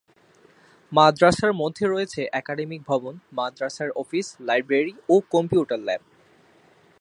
মাদ্রাসার মধ্যে রয়েছে একাডেমিক ভবন, মাদ্রাসার অফিস, লাইব্রেরী ও কম্পিউটার ল্যাব।